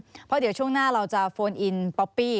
เพราะเดี๋ยวช่วงหน้าเราจะโฟนอินป๊อปปี้